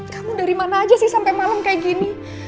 kamu dari mana aja sih sampai malam kayak gini